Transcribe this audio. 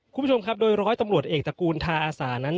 คุณผู้ชมครับโดยร้อยตำรวจเอกตระกูลทาอาสานั้น